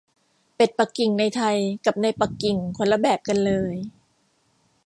เป็ดปักกิ่งในไทยกับในปักกิ่งคนละแบบกันเลย